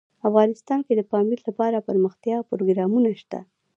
افغانستان کې د پامیر لپاره دپرمختیا پروګرامونه شته.